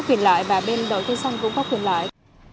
khuyền lợi và bên đội cây xanh cũng có khuyền lợi